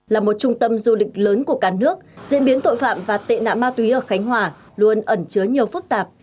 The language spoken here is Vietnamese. là một trung tâm du lịch lớn của cả nước diễn biến tội phạm và tệ nạn ma túy ở khánh hòa luôn ẩn chứa nhiều phức tạp